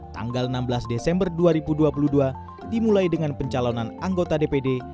tanggal enam belas desember dua ribu dua puluh dua dimulai dengan pencalonan anggota dpd